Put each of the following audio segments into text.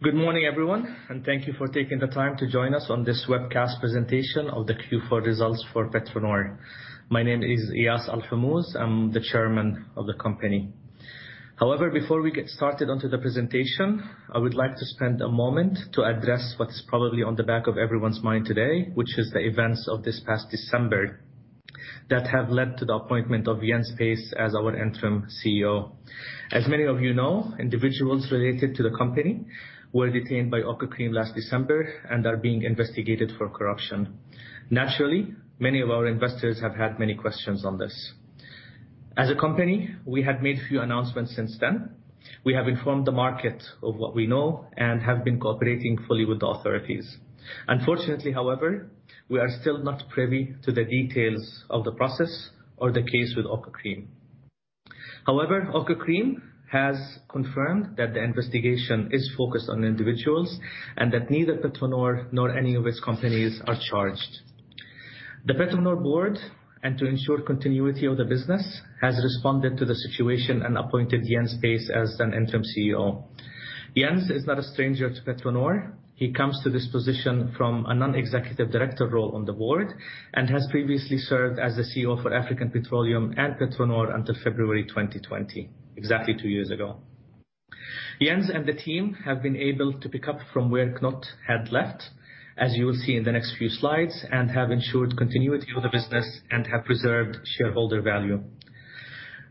Good morning, everyone, and thank you for taking the time to join us on this webcast presentation of the Q4 results for PetroNor. My name is Eyas Alhomouz. I'm the Chairman of the company. However, before we get started onto the presentation, I would like to spend a moment to address what is probably on the back of everyone's mind today, which is the events of this past December that have led to the appointment of Jens Pace as our Interim CEO. As many of you know, individuals related to the company were detained by Økokrim last December and are being investigated for corruption. Naturally, many of our investors have had many questions on this. As a company, we have made few announcements since then. We have informed the market of what we know and have been cooperating fully with the authorities. Unfortunately, however, we are still not privy to the details of the process or the case with Økokrim. However, Økokrim has confirmed that the investigation is focused on individuals and that neither PetroNor nor any of its companies are charged. The PetroNor board, and to ensure continuity of the business, has responded to the situation and appointed Jens Pace as an Interim CEO. Jens is not a stranger to PetroNor. He comes to this position from a Non-Executive Director role on the board and has previously served as the CEO for African Petroleum and PetroNor until February 2020, exactly two years ago. Jens and the team have been able to pick up from where Knut had left, as you will see in the next few slides, and have ensured continuity of the business and have preserved shareholder value.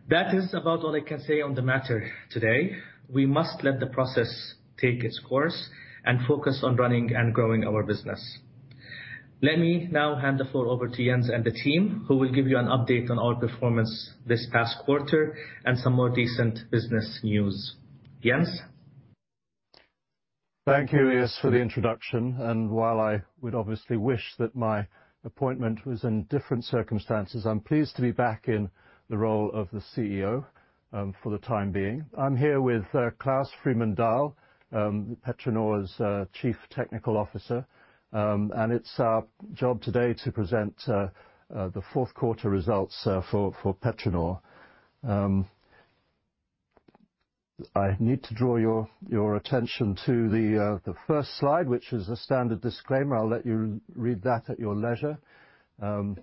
That is about all I can say on the matter today. We must let the process take its course and focus on running and growing our business. Let me now hand the floor over to Jens and the team who will give you an update on our performance this past quarter and some more recent business news. Jens? Thank you, Eyas, for the introduction, and while I would obviously wish that my appointment was in different circumstances, I'm pleased to be back in the role of the CEO, for the time being. I'm here with Claus Frimann-Dahl PetroNor's Chief Technical Officer. It's our job today to present the Q4 results for PetroNor. I need to draw your attention to the first slide, which is a standard disclaimer. I'll let you read that at your leisure. The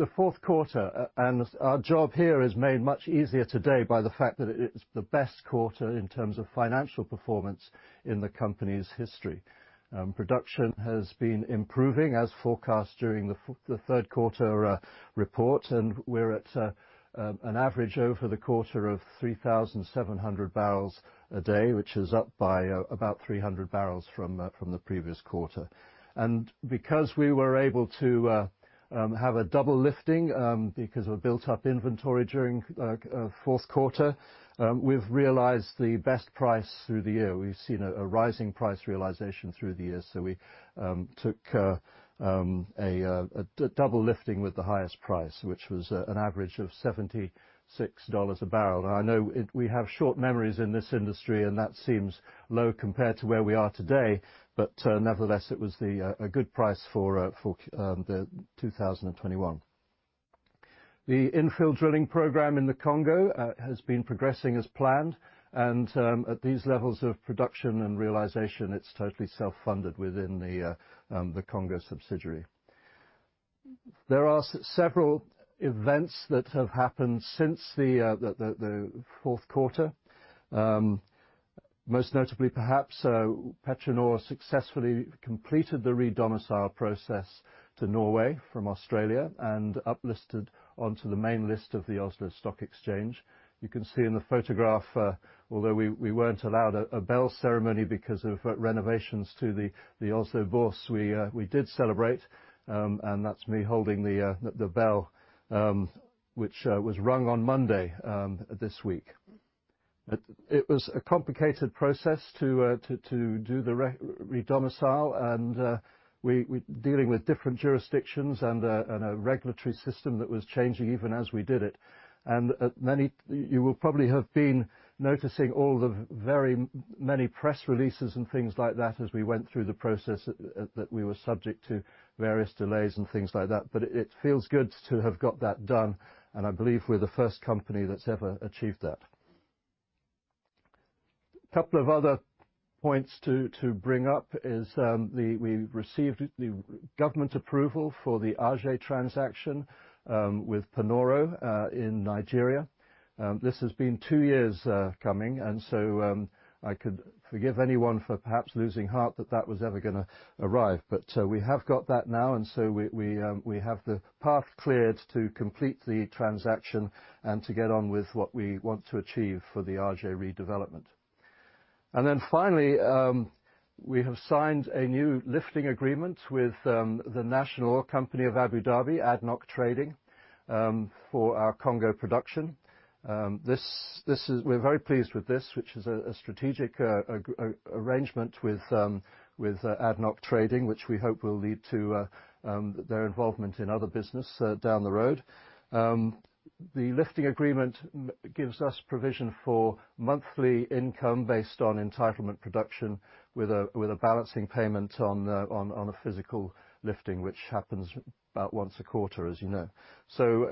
Q4, and our job here is made much easier today by the fact that it is the best quarter in terms of financial performance in the company's history. Production has been improving as forecast during the Q3 report, and we're at an average over the quarter of 3,700 barrels a day, which is up by about 300 barrels from the previous quarter. Because we were able to have a double lifting because of built up inventory during Q4, we've realized the best price through the year. We've seen a rising price realization through the year. We took a double lifting with the highest price, which was an average of $76 a barrel. Now, I know we have short memories in this industry, and that seems low compared to where we are today. Nevertheless, it was a good price for 2021. The infill drilling program in the Congo has been progressing as planned, and at these levels of production and realization, it's totally self-funded within the Congo subsidiary. There are several events that have happened since the Q4. Most notably, perhaps, PetroNor successfully completed the redomicile process to Norway from Australia and uplisted onto the main list of the Oslo Stock Exchange. You can see in the photograph, although we weren't allowed a bell ceremony because of renovations to the Oslo Børs, we did celebrate, and that's me holding the bell, which was rung on Monday this week. It was a complicated process to do the re-domicile. We're dealing with different jurisdictions and a regulatory system that was changing even as we did it. You will probably have been noticing all the very many press releases and things like that as we went through the process that we were subject to various delays and things like that. It feels good to have got that done, and I believe we're the first company that's ever achieved that. Couple of other points to bring up is we received the government approval for the Aje transaction with Panoro in Nigeria. This has been two years coming, and I could forgive anyone for perhaps losing heart that that was ever gonna arrive. We have got that now, we have the path cleared to complete the transaction and to get on with what we want to achieve for the Aje redevelopment. Finally, we have signed a new lifting agreement with the national oil company of Abu Dhabi, ADNOC Trading, for our Congo production. We're very pleased with this, which is a strategic arrangement with ADNOC Trading, which we hope will lead to their involvement in other business down the road. The lifting agreement gives us provision for monthly income based on entitlement production with a balancing payment on a physical lifting, which happens about once a quarter, as you know.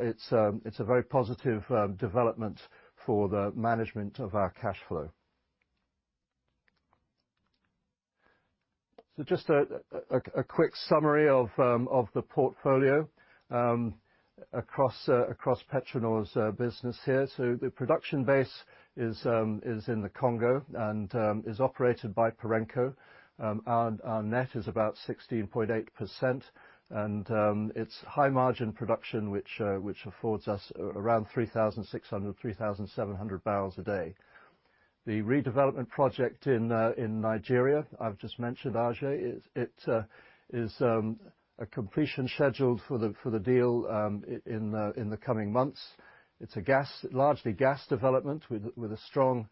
It's a very positive development for the management of our cash flow. Just a quick summary of the portfolio across PetroNor's business here. The production base is in the Congo and is operated by Perenco. Our net is about 16.8%. It's high-margin production which affords us around 3,600 barrels-3,700 barrels a day. The redevelopment project in Nigeria, I've just mentioned Aje. It is a completion schedule for the deal in the coming months. It's a gas... largely gas development with a strong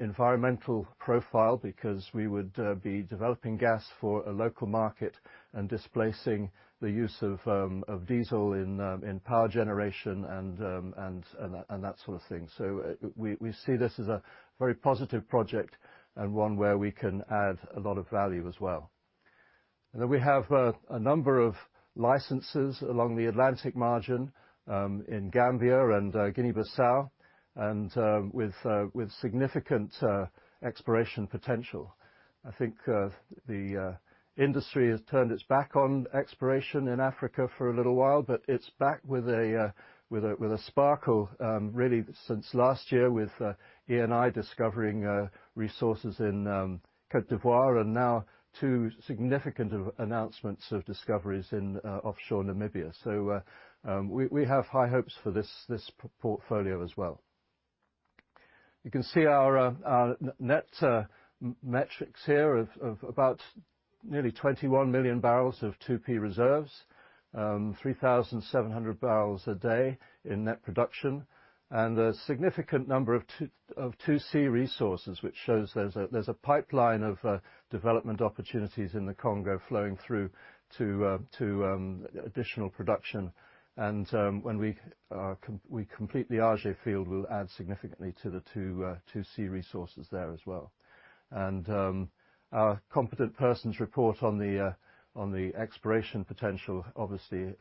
environmental profile because we would be developing gas for a local market and displacing the use of diesel in power generation and that sort of thing. We see this as a very positive project and one where we can add a lot of value as well. We have a number of licenses along the Atlantic margin in Gambia and Guinea-Bissau with significant exploration potential. I think the industry has turned its back on exploration in Africa for a little while, but it's back with a sparkle really since last year with Eni discovering resources in Côte d'Ivoire and now two significant announcements of discoveries in offshore Namibia. We have high hopes for this portfolio as well. You can see our net metrics here of about nearly 21 million barrels of 2P reserves, 3,700 barrels a day in net production, and a significant number of 2C resources, which shows there's a pipeline of development opportunities in the Congo flowing through to additional production. When we complete the Aje field, we'll add significantly to the 2C resources there as well. Our Competent Person's Report on the exploration potential obviously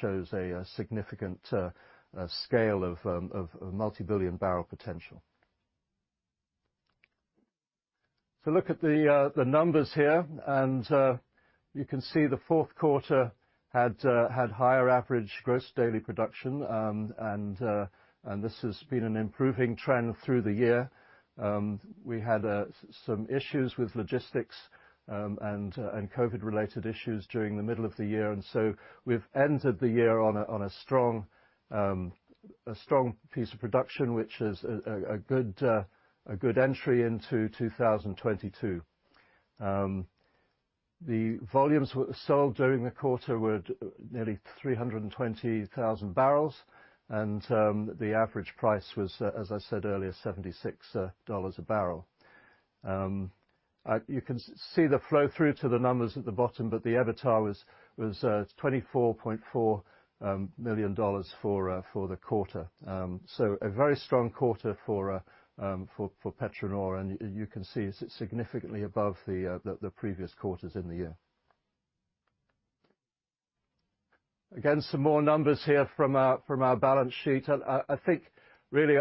shows a significant scale of multi-billion barrel potential. Look at the numbers here. You can see the Q4 had higher average gross daily production. This has been an improving trend through the year. We had some issues with logistics and COVID-related issues during the middle of the year. We've ended the year on a strong pace of production, which is a good entry into 2022. The volumes sold during the quarter were nearly 320,000 barrels, and the average price was, as I said earlier, $76 a barrel. You can see the flow through to the numbers at the bottom, but the EBITDA was $24.4 million for the quarter. A very strong quarter for PetroNor, and you can see it's significantly above the previous quarters in the year. Again, some more numbers here from our balance sheet. I think, really,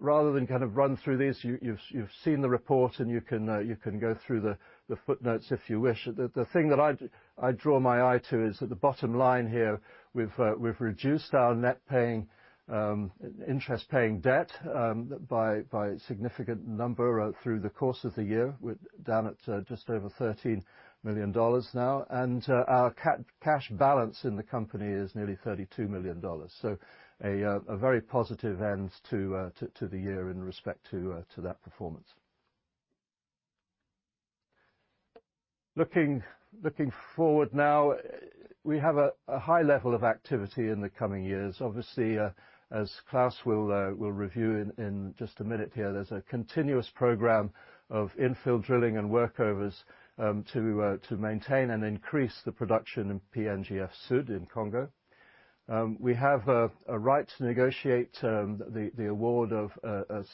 rather than kind of run through these, you've seen the report and you can go through the footnotes if you wish. The thing that I'd draw my eye to is at the bottom line here, we've reduced our net interest-paying debt by a significant number through the course of the year. We're down at just over $13 million now. Our cash balance in the company is nearly $32 million. A very positive end to the year in respect to that performance. Looking forward now, we have a high level of activity in the coming years. Obviously, as Claus will review in just a minute here, there's a continuous program of infill drilling and workovers to maintain and increase the production in PNGF Sud in Congo. We have a right to negotiate the award of a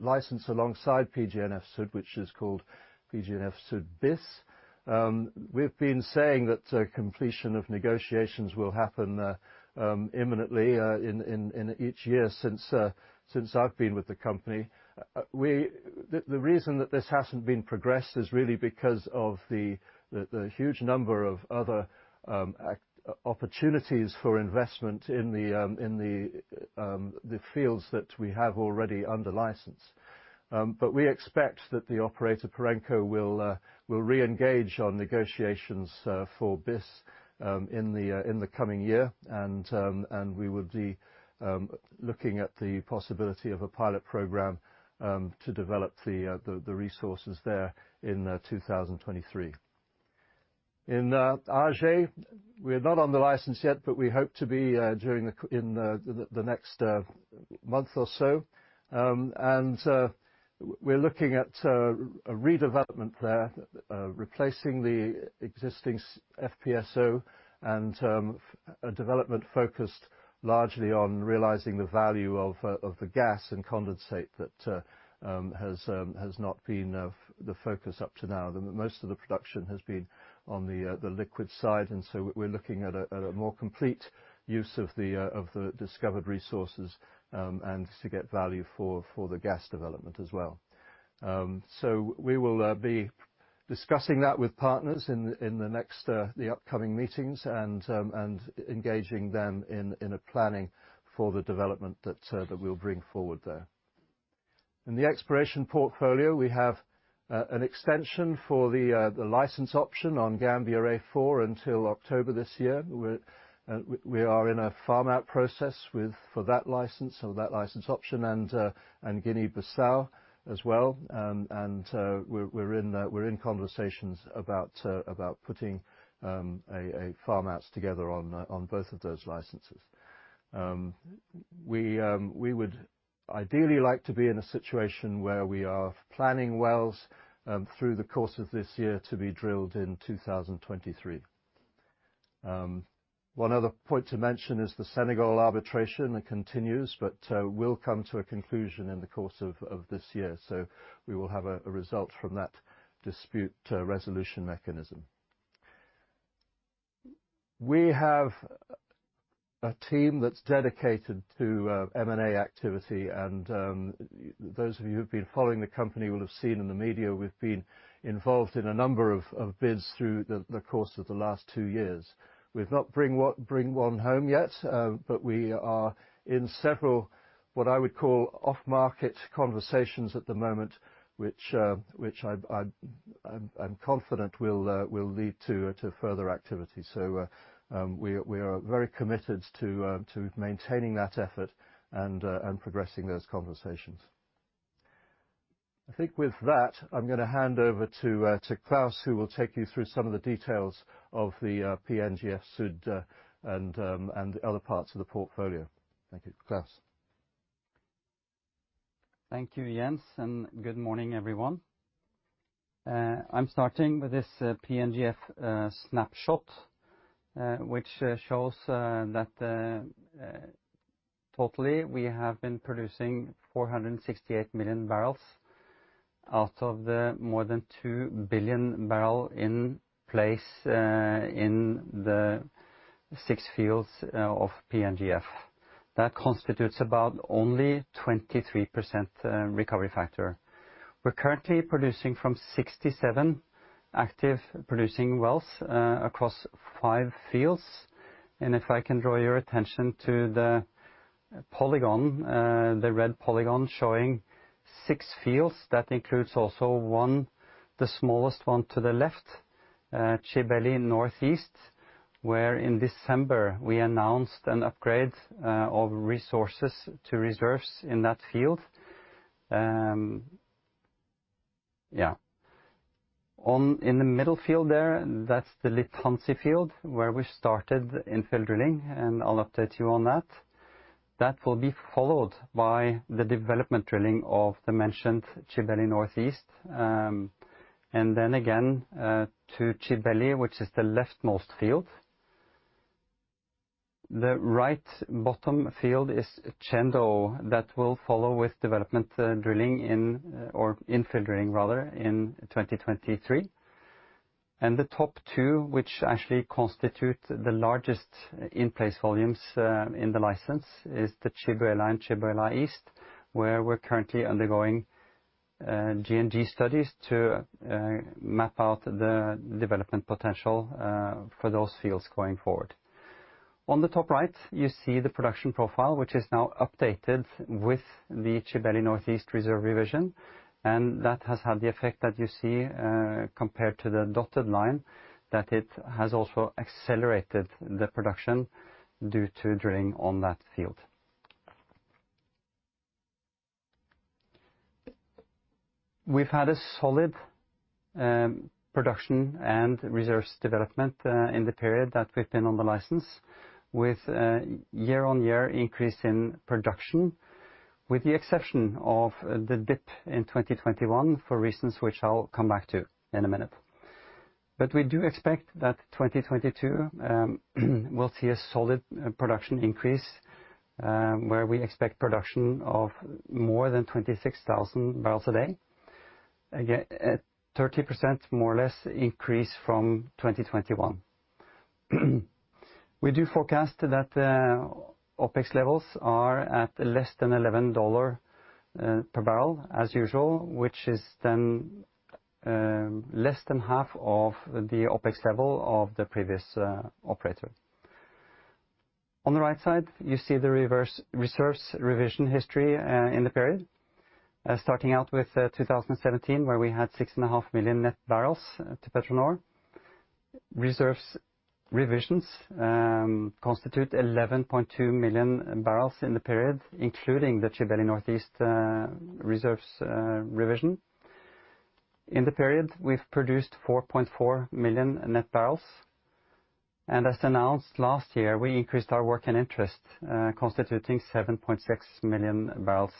license alongside PNGF Sud, which is called PNGF Sud Bis. We've been saying that completion of negotiations will happen imminently in each year since I've been with the company. The reason that this hasn't been progressed is really because of the huge number of other opportunities for investment in the fields that we have already under license. We expect that the operator, Perenco, will reengage on negotiations for Bis in the coming year. We would be looking at the possibility of a pilot program to develop the resources there in 2023. In Aje, we're not on the license yet, but we hope to be during the next month or so. We're looking at a redevelopment there, replacing the existing FPSO and a development focused largely on realizing the value of the gas and condensate that has not been the focus up to now. Most of the production has been on the liquid side, and so we're looking at a more complete use of the discovered resources, and to get value for the gas development as well. So we will be discussing that with partners in the next upcoming meetings and engaging them in a planning for the development that we'll bring forward there. In the exploration portfolio, we have an extension for the license option on Gambia A4 until October this year. We are in a farm-out process for that license, so that license option and Guinea-Bissau as well. We're in conversations about putting a farm-out together on both of those licenses. We would ideally like to be in a situation where we are planning wells through the course of this year to be drilled in 2023. One other point to mention is the Senegal arbitration that continues, but will come to a conclusion in the course of this year. We will have a result from that dispute resolution mechanism. We have a team that's dedicated to M&A activity, and those of you who've been following the company will have seen in the media we've been involved in a number of bids through the course of the last two years. We've not brought one home yet, but we are in several, what I would call off-market conversations at the moment, which I'm confident will lead to further activity. We are very committed to maintaining that effort and progressing those conversations. I think with that, I'm gonna hand over to Claus, who will take you through some of the details of the PNGF Sud and the other parts of the portfolio. Thank you. Claus. Thank you, Jens, and good morning, everyone. I'm starting with this PNGF snapshot, which shows that totally we have been producing 468 million barrels out of the more than 2 billion barrels in place in the six fields of PNGF. That constitutes about only 23% recovery factor. We're currently producing from 67 active producing wells across five fields. If I can draw your attention to the polygon, the red polygon showing six fields. That includes also one, the smallest one to the left, Tchibeli North East, where in December we announced an upgrade of resources to reserves in that field. In the middle field there, that's the Litanzi field where we started infill drilling, and I'll update you on that. That will be followed by the development drilling of the mentioned Tchibeli North East. To Tchibeli, which is the leftmost field. The right bottom field is Tchendo. That will follow with development drilling or infill drilling, rather, in 2023. The top two, which actually constitute the largest in-place volumes, in the license, is the Tchibouela and Tchibouela East, where we're currently undergoing G&G studies to map out the development potential for those fields going forward. On the top right, you see the production profile, which is now updated with the Tchibeli North East reserve revision, and that has had the effect that you see, compared to the dotted line, that it has also accelerated the production due to drilling on that field. We've had a solid production and resource development in the period that we've been on the license with year-on-year increase in production, with the exception of the dip in 2021 for reasons which I'll come back to in a minute. We do expect that 2022 will see a solid production increase where we expect production of more than 26,000 barrels a day. Again, at 30% more or less increase from 2021. We do forecast that OpEx levels are at less than $11 per barrel as usual, which is then less than half of the OpEx level of the previous operator. On the right side, you see the net reserves revision history, in the period, starting out with 2017, where we had 6.5 million net barrels to PetroNor. Reserves revisions constitute 11.2 million barrels in the period, including the Tchibeli North East reserves revision. In the period, we've produced 4.4 million net barrels. As announced last year, we increased our working interest, constituting 7.6 million barrels,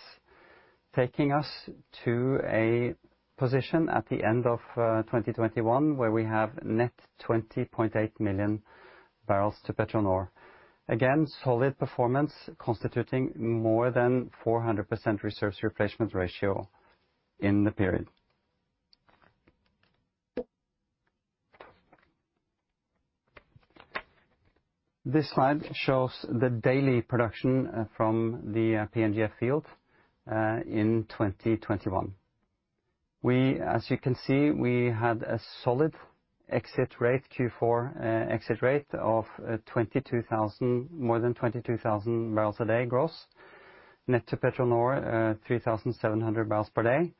taking us to a position at the end of 2021, where we have net 20.8 million barrels to PetroNor. Again, solid performance constituting more than 400% reserves replacement ratio in the period. This slide shows the daily production from the PNGF field in 2021. As you can see, we had a solid exit rate, Q4 exit rate of more than 22,000 barrels a day gross. Net to PetroNor, 3,700 barrels per day.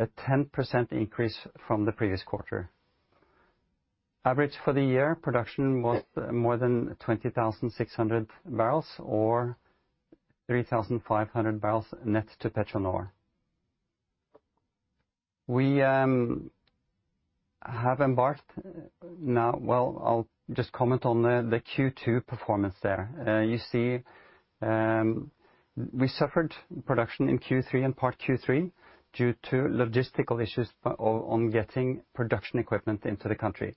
A 10% increase from the previous quarter. Average for the year, production was more than 20,600 barrels, or 3,500 barrels net to PetroNor. We have embarked now. Well, I'll just comment on the Q2 performance there. You see, we suffered production in Q3 and part Q3 due to logistical issues on getting production equipment into the country.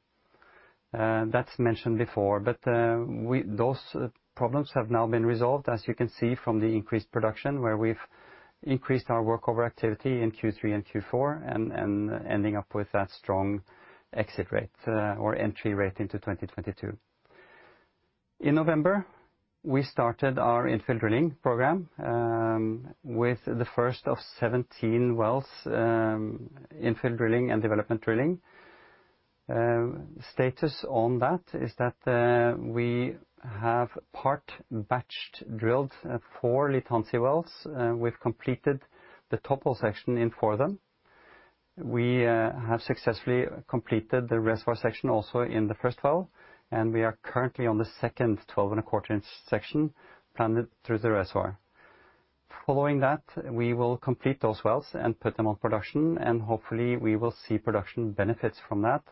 That's mentioned before, but those problems have now been resolved as you can see from the increased production where we've increased our workover activity in Q3 and Q4, and ending up with that strong exit rate, or entry rate into 2022. In November, we started our infill drilling program with the first of 17 wells, infill drilling and development drilling. Status on that is that we have part batch-drilled 4 Litanzi wells. We've completed the top hole section in 4 of them. We have successfully completed the reservoir section also in the first well, and we are currently on the second 12¼-inch section planned through the reservoir. Following that, we will complete those wells and put them on production, and hopefully we will see production benefits from that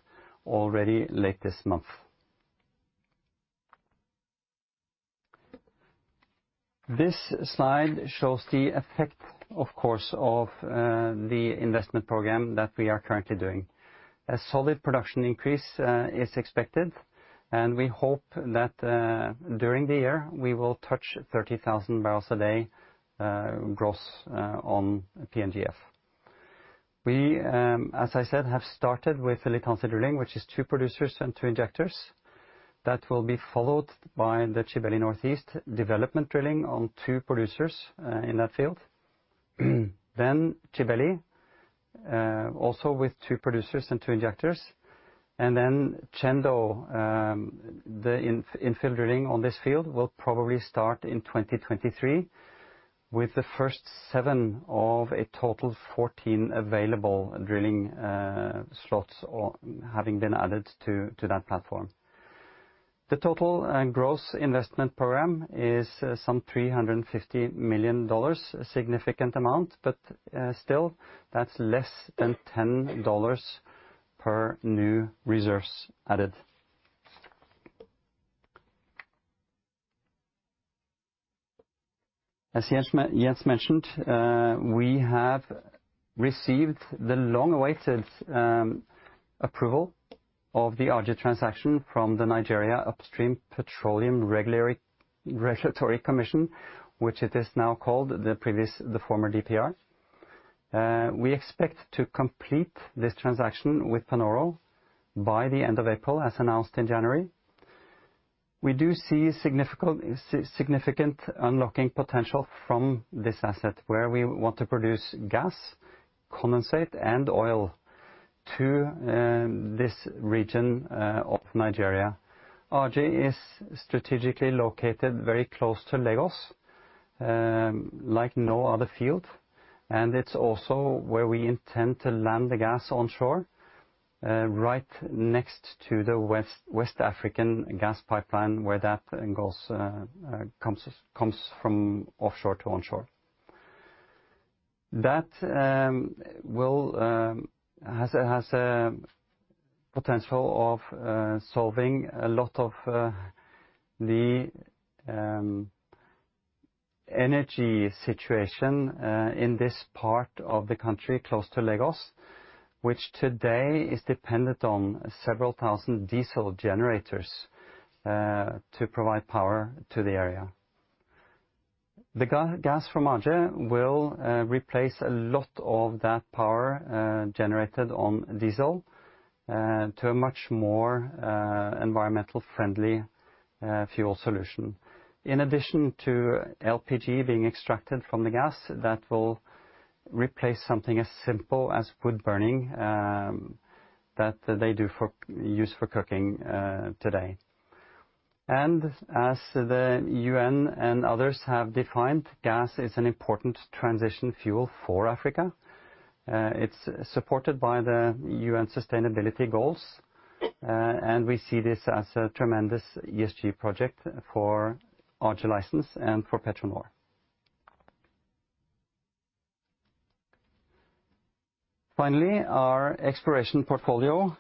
already late this month. This slide shows the effect, of course, of the investment program that we are currently doing. A solid production increase is expected, and we hope that during the year, we will touch 30,000 barrels a day, gross, on PNGF. We, as I said, have started with the Litanzi drilling, which is two producers and two injectors. That will be followed by the Tchibeli North East development drilling on two producers in that field. Tchibeli also with two producers and two injectors. Tchendo, the infill drilling on this field will probably start in 2023, with the first 7 of a total 14 available drilling slots, or having been added to that platform. The total gross investment program is some $350 million, a significant amount, but still, that's less than $10 per new reserves added. As Jens mentioned, we have received the long-awaited approval of the Aje transaction from the Nigerian Upstream Petroleum Regulatory Commission, which it is now called the previous, the former DPR. We expect to complete this transaction with Panoro by the end of April, as announced in January. We do see significant unlocking potential from this asset, where we want to produce gas, condensate, and oil to this region of Nigeria. Aje is strategically located very close to Lagos, like no other field, and it's also where we intend to land the gas onshore, right next to the West African Gas Pipeline where that gas comes from offshore to onshore. That has a potential of solving a lot of the energy situation in this part of the country close to Lagos, which today is dependent on several thousand diesel generators to provide power to the area. The gas from Aje will replace a lot of that power generated on diesel to a much more environmentally friendly fuel solution. In addition to LPG being extracted from the gas, that will replace something as simple as wood burning that they use for cooking today. As the UN and others have defined, gas is an important transition fuel for Africa. It's supported by the UN sustainability goals, and we see this as a tremendous ESG project for Aje license and for PetroNor. Finally, our exploration portfolio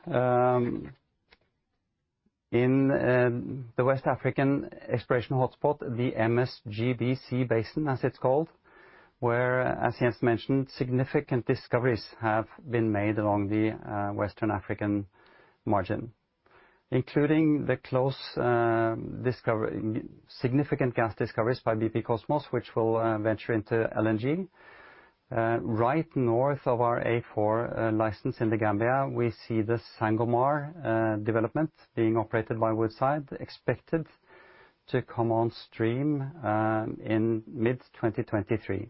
in the West African exploration hotspot, the MSGBC Basin, as it's called, where, as Jens mentioned, significant discoveries have been made along the Western African margin, including significant gas discoveries by BP Kosmos, which will venture into LNG. Right north of our A-4 license in The Gambia, we see the Sangomar development being operated by Woodside, expected to come on stream in mid-2023.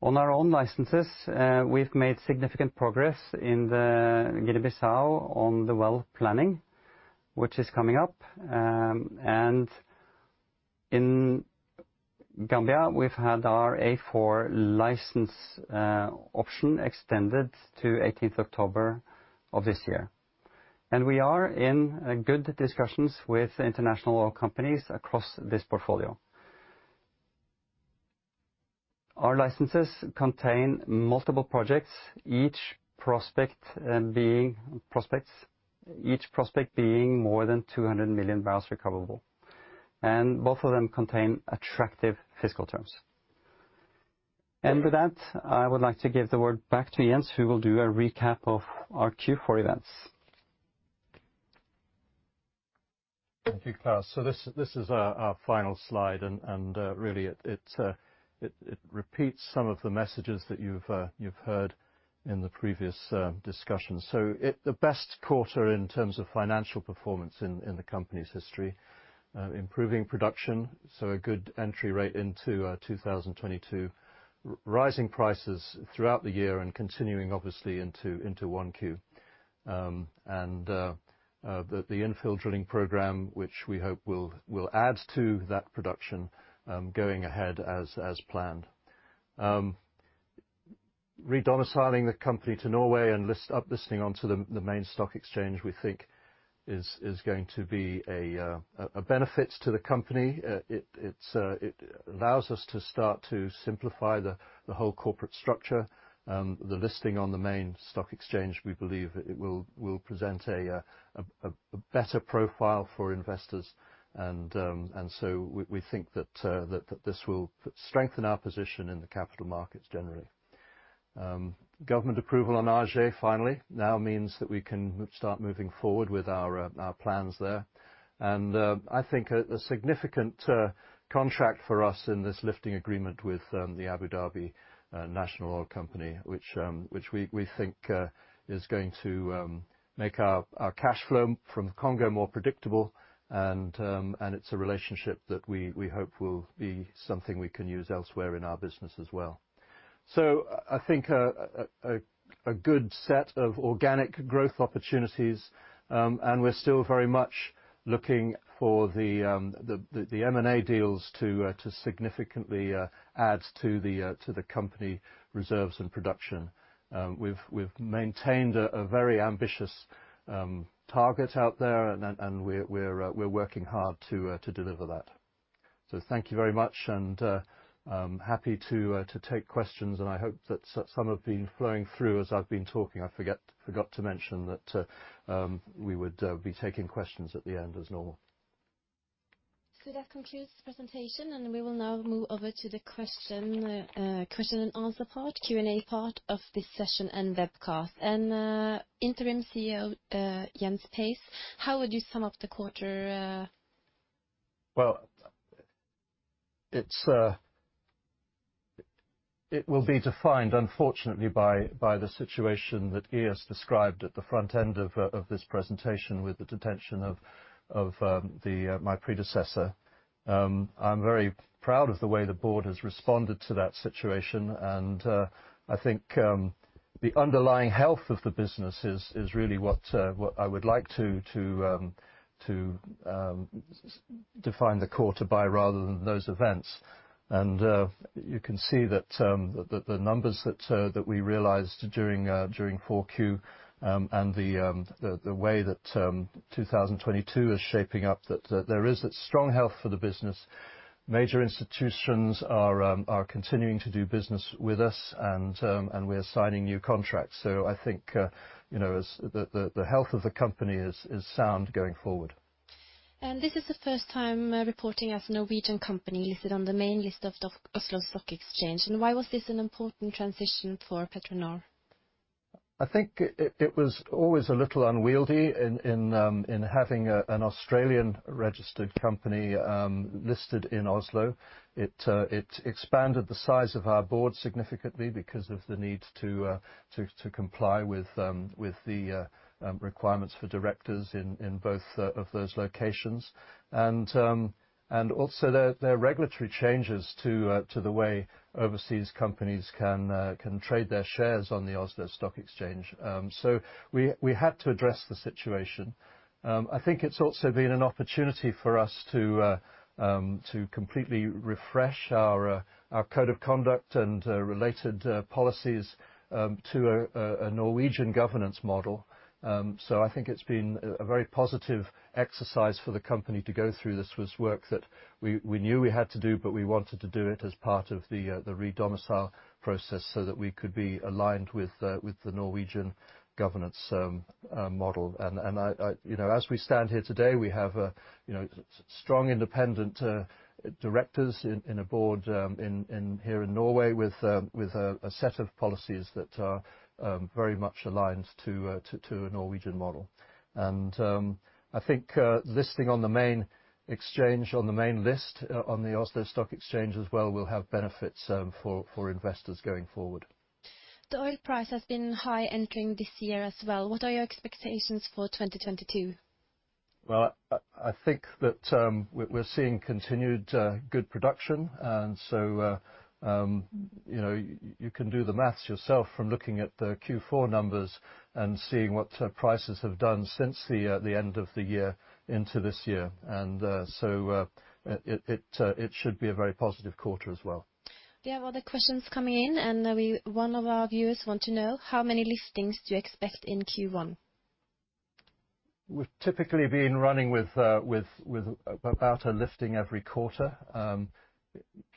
On our own licenses, we've made significant progress in the Guinea-Bissau on the well planning, which is coming up. In Gambia, we've had our A-4 license option extended to eighteenth October of this year. We are in good discussions with international oil companies across this portfolio. Our licenses contain multiple projects, each prospect being more than 200 million barrels recoverable. Both of them contain attractive fiscal terms. With that, I would like to give the word back to Jens, who will do a recap of our Q4 events. Thank you, Claus. This is our final slide, and really it repeats some of the messages that you've heard in the previous discussion. The best quarter in terms of financial performance in the company's history. Improving production, a good entry rate into 2022. Rising prices throughout the year and continuing obviously into 1Q. The infill drilling program, which we hope will add to that production, going ahead as planned. Re-domiciling the company to Norway and uplisting onto the main stock exchange, we think is going to be a benefit to the company. It allows us to start to simplify the whole corporate structure. The listing on the main stock exchange, we believe it will present a better profile for investors. We think that this will strengthen our position in the capital markets generally. Government approval on Aje finally now means that we can start moving forward with our plans there. I think a significant contract for us in this lifting agreement with the Abu Dhabi National Oil Company, which we think is going to make our cash flow from Congo more predictable. It's a relationship that we hope will be something we can use elsewhere in our business as well. I think a good set of organic growth opportunities, and we're still very much looking for the M&A deals to significantly add to the company reserves and production. We've maintained a very ambitious target out there and we're working hard to deliver that. Thank you very much and happy to take questions and I hope that some have been flowing through as I've been talking. I forgot to mention that we would be taking questions at the end as normal. That concludes the presentation, and we will now move over to the question and answer part, Q&A part of this session and webcast. Interim CEO, Jens Pace, how would you sum up the quarter? Well, it will be defined unfortunately by the situation that Eyas has described at the front end of this presentation with the detention of my predecessor. I'm very proud of the way the board has responded to that situation, and I think the underlying health of the business is really what I would like to define the quarter by rather than those events. You can see that the numbers that we realized during 4Q and the way that 2022 is shaping up, that there is a strong health for the business. Major institutions are continuing to do business with us and we're signing new contracts. I think, you know, as the health of the company is sound going forward. This is the first time reporting as a Norwegian company listed on the main list of the Oslo Stock Exchange. Why was this an important transition for PetroNor? I think it was always a little unwieldy in having an Australian registered company listed in Oslo. It expanded the size of our board significantly because of the need to comply with the requirements for directors in both of those locations. Also, there are regulatory changes to the way overseas companies can trade their shares on the Oslo Stock Exchange. We had to address the situation. I think it's also been an opportunity for us to completely refresh our code of conduct and related policies to a Norwegian governance model. I think it's been a very positive exercise for the company to go through. This was work that we knew we had to do, but we wanted to do it as part of the re-domicile process so that we could be aligned with the Norwegian governance model. I you know, as we stand here today, we have you know, strong independent directors in a board in here in Norway with a set of policies that are very much aligned to a Norwegian model. I think listing on the main exchange, on the main list on the Oslo Stock Exchange as well will have benefits for investors going forward. The oil price has been high entering this year as well. What are your expectations for 2022? Well, I think that we're seeing continued good production, and so you know, you can do the math yourself from looking at the Q4 numbers and seeing what prices have done since the end of the year into this year. It should be a very positive quarter as well. Yeah. Well, the question's coming in, and one of our viewers want to know, how many liftings do you expect in Q1? We've typically been running with about a lifting every quarter.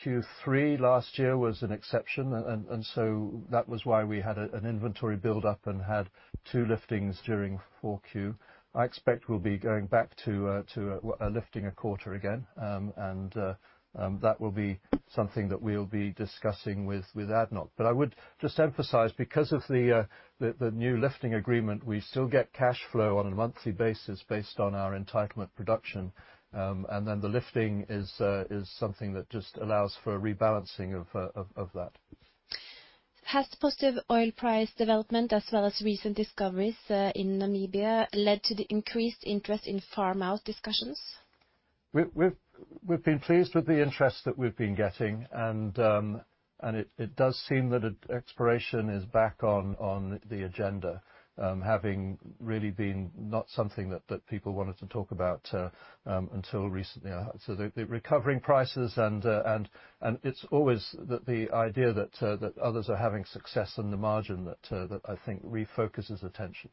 Q3 last year was an exception. That was why we had an inventory build up and had two liftings during 4Q. I expect we'll be going back to a lifting a quarter again. That will be something that we'll be discussing with ADNOC. But I would just emphasize, because of the new lifting agreement, we still get cash flow on a monthly basis based on our entitlement production, and then the lifting is something that just allows for a rebalancing of that. Has positive oil price development as well as recent discoveries in Namibia led to the increased interest in farm-out discussions? We've been pleased with the interest that we've been getting, and it does seem that exploration is back on the agenda, having really been not something that people wanted to talk about until recently. So the recovering prices and it's always the idea that others are having success in the margin that I think refocuses attention.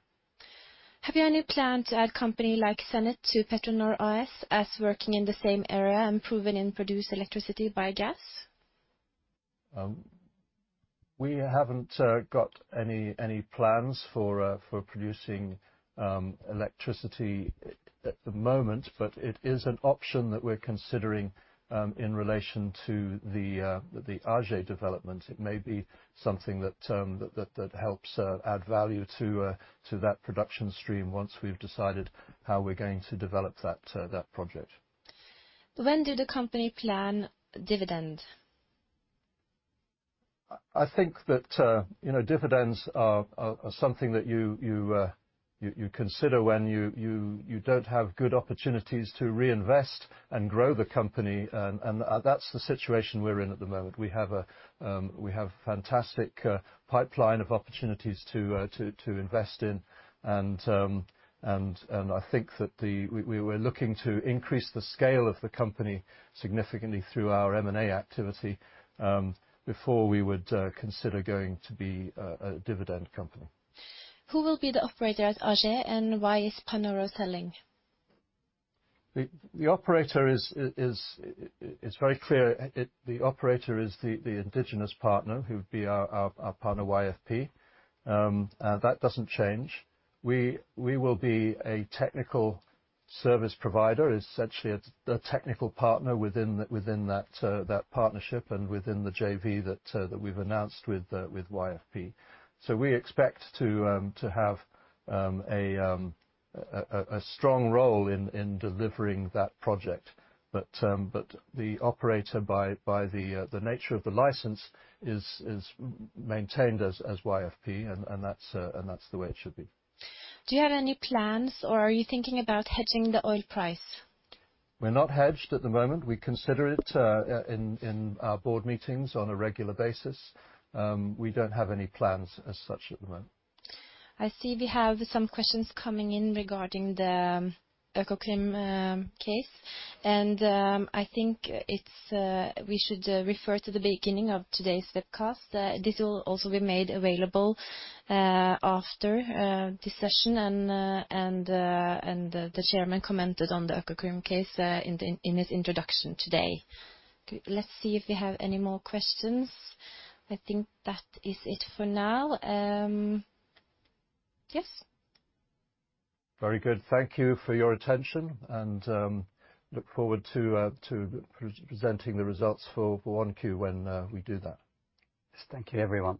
Have you any plan to add company like Senet to PetroNor AS as working in the same area and proven and produce electricity by gas? We haven't got any plans for producing electricity at the moment, but it is an option that we're considering in relation to the Aje development. It may be something that helps add value to that production stream once we've decided how we're going to develop that project. When did the company plan dividend? I think that, you know, dividends are something that you consider when you don't have good opportunities to reinvest and grow the company. That's the situation we're in at the moment. We have a fantastic pipeline of opportunities to invest in. I think that we're looking to increase the scale of the company significantly through our M&A activity before we would consider going to be a dividend company. Who will be the operator at Aje, and why is Panoro selling? The operator is very clear. The operator is the indigenous partner, who would be our partner YFP. That doesn't change. We will be a technical service provider, essentially a technical partner within that partnership and within the JV that we've announced with YFP. We expect to have a strong role in delivering that project. The operator by the nature of the license is maintained as YFP, and that's the way it should be. Do you have any plans, or are you thinking about hedging the oil price? We're not hedged at the moment. We consider it in our board meetings on a regular basis. We don't have any plans as such at the moment. I see we have some questions coming in regarding the Økokrim case. I think we should refer to the beginning of today's webcast. This will also be made available after this session. The chairman commented on the Økokrim case in his introduction today. Let's see if we have any more questions. I think that is it for now. Yes. Very good. Thank you for your attention and look forward to presenting the results for 1Q when we do that. Yes. Thank you, everyone.